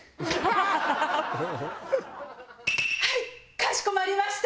「ハハ！」はいかしこまりました！